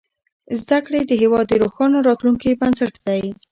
زدهکړې د هېواد د روښانه راتلونکي بنسټ دی.